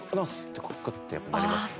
クッてやっぱなりますよね。